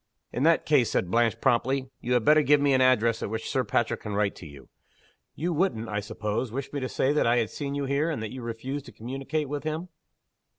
"In that case," said Blanche, promptly, "you had better give me an address at which Sir Patrick can write to you. You wouldn't, I suppose, wish me to say that I had seen you here, and that you refused to communicate with him?"